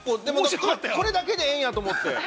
でも、これだけでええんやと思って。